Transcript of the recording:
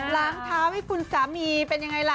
ล้างเท้าให้คุณสามีเป็นยังไงล่ะ